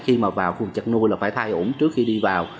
khi mà vào khu vực chăn nuôi là phải thay ủng trước khi đi vào